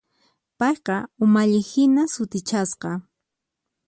Payqa umalliqhina sutichasqa.